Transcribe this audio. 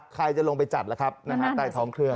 ใครจะลงไปจัดล่ะครับใต้ท้องเครื่อง